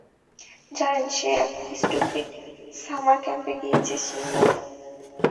জানেন সে এক স্টুপিট সামার ক্যাম্পে গিয়েছে শিমলাতে।